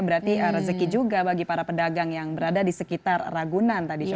berarti rezeki juga bagi para pedagang yang berada di sekitar ragunan tadi che